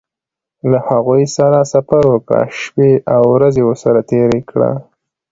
له هغوی سره سفر وکړه شپې او ورځې ورسره تېرې کړه.